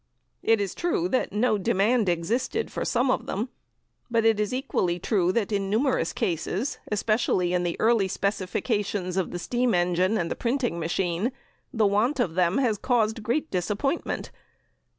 It is true that no demand existed for some of them, but it is equally true that in numerous cases, especially in the early specifications of the steam engine and printing machine, the want of them has caused great disappointment.